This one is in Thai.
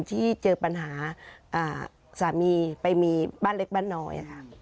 ที่เจอปัญหาสามีไปมีบ้านเล็กบ้านน้อย